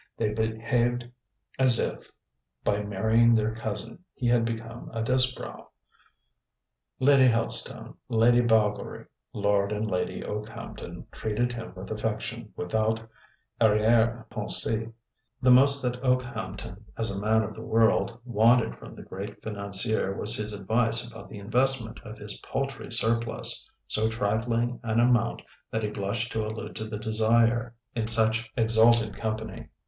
They behaved as if, by marrying their cousin, he had become a Disbrowe. Lady Helstone, Lady Balgowrie, Lord and Lady Okehampton treated him with affection without arrière pensée. The most that Okehampton, as a man of the world, wanted from the great financier was his advice about the investment of his paltry surplus, so trifling an amount that he blushed to allude to the desire in such exalted company.